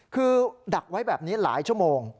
คือดักไว้แบบนี้หลายชั่วโมง